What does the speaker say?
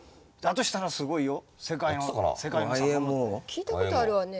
聞いたことあるわね。